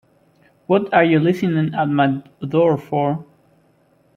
What are you listening at my door for?